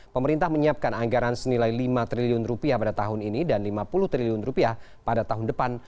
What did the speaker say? pemerintah menyiapkan anggaran senilai lima triliun rupiah pada tahun ini dan lima puluh triliun rupiah pada tahun depan